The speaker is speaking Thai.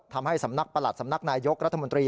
ทำให้สำนักประหลัดสำนักนายยกรัฐมนตรี